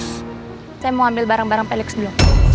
saya mau ambil barang barang felix dulu